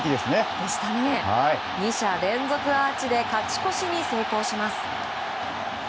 ２者連続アーチで勝ち越しに成功します。